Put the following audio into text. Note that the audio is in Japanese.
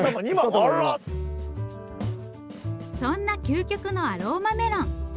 そんな究極のアローマメロン。